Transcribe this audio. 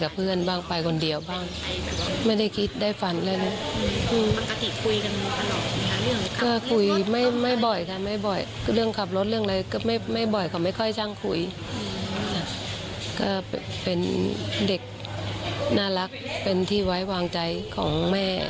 เป็นเด็กมากน่ารักเป็นที่ไว้กับความว่างใจของแม่